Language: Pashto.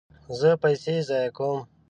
زه پیسې ضایع کوم